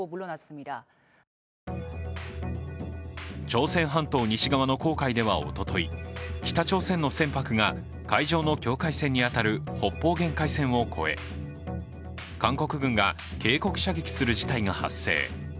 朝鮮半島西側の黄海ではおととい、北朝鮮の船舶が海上の境界線に当たる北方限界線を越え韓国軍が警告射撃する事態が発生。